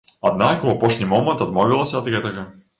Аднак у апошні момант адмовілася ад гэтага.